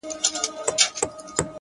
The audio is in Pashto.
هره ورځ د ځان د بیا لیکلو فرصت دی،